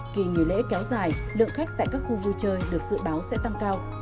kỳ nghỉ lễ kéo dài lượng khách tại các khu vui chơi được dự báo sẽ tăng cao